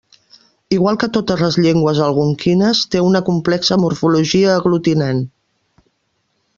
Igual que totes les llengües algonquines, té una complexa morfologia aglutinant.